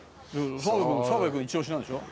澤部君一押しなんでしょ。